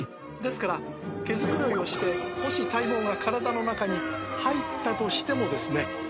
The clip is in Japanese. ですから毛繕いをしてもし体毛が体の中に入ったとしてもですね